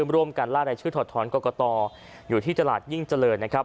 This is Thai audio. ร่างกายชื่อถอดท้อนกรกตอยู่ที่ตลาดยิ่งเจริญ